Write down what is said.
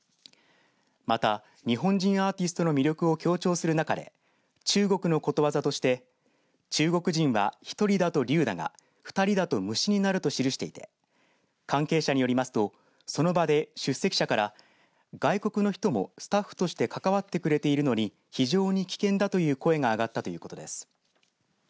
また、日本人アーティストの魅力を強調する中で中国のことわざとして中国人は一人だと龍だが二人だと虫になると記していて関係者によりますと、その場で出席者から外国の人もスタッフとして関わってくれているのに非常に危険だという声が上がったということです。